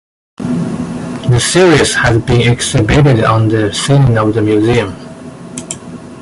The series has been exhibited on the ceiling of the museum.